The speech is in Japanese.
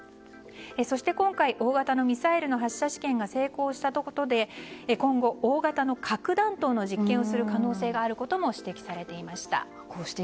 そして、今回大型のミサイルの発射試験が成功したことで今後大型の核弾頭の実験をする可能性もあることも指摘されていました。